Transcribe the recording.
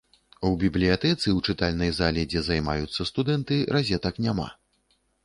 У бібліятэцы, у чытальнай зале, дзе займаюцца студэнты, разетак няма.